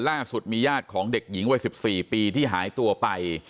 ล่าสุดมีญาติของเด็กหญิงวัย๑๔ปีที่หายตัวไป